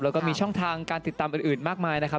แล้วก็มีช่องทางการติดตามอื่นมากมายนะครับ